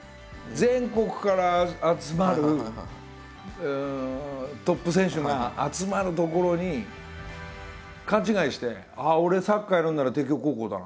全国から集まるトップ選手が集まる所に勘違いして「俺サッカーやるんなら帝京高校だな」